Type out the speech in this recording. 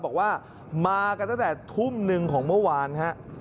บอกว่ามากันตั้งแต่ทุ่มหนึ่งของเมื่อวานฮะ